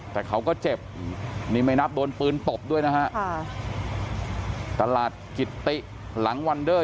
แต่เขาก็เจ็บนี่ไม่นับโดนปืนตบด้วยนะฮะค่ะตลาดกิตติหลังวันเดอร์